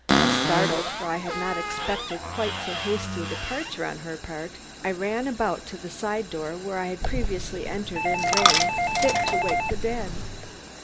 Startled, for I had not expected quite so hasty a departure on her part, I ran about to the side door where I had previously entered and rang fit to wake the dead.